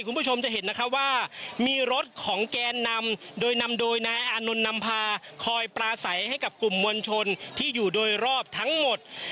คุณผู้ชมจะเห็นนะคะว่ามีรถของแกนนำโดยนำโดยนายอานนท์นำพาคอยปลาใสให้กับกลุ่มมวลชนที่อยู่โดยรอบทั้งหมด